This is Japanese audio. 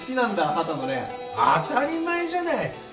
当たり前じゃない！